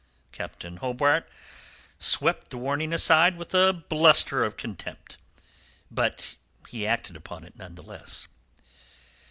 Captain Hobart swept the warning aside with a bluster of contempt, but he acted upon it none the less.